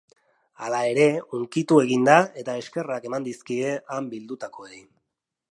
Hala ere, hunkitu egin da eta eskerrak eman dizkie han bildutakoei.